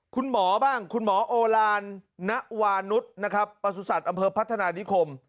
คุณหมอบ้างคุณหมอโอลานนวานุษย์นะครับประสุทธิ์อำเภอพัฒนานิคม